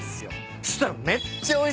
そしたら。